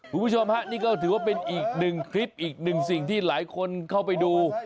คุณผู้ชมฮะนี่ก็ถือว่าเป็นอีกหนึ่งคลิปอีกหนึ่งสิ่งที่หลายคนเข้าไปดู